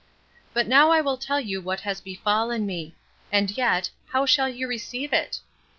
But now I will tell you what has befallen me; and yet, how shall you receive it?